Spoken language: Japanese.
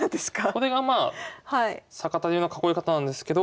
これがまあ坂田流の囲い方なんですけど。